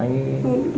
hơn ba tuần